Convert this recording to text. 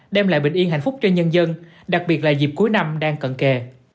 đem lại bình yên hạnh phúc cho nhân dân đặc biệt là dịp cuối năm đang cận kề